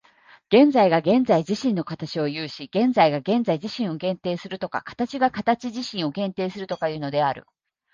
現在が現在自身の形を有し、現在が現在自身を限定するとか、形が形自身を限定するとかいうのである。